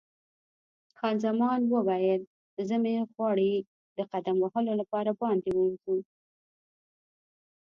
خان زمان وویل: زړه مې غواړي د قدم وهلو لپاره باندې ووځو.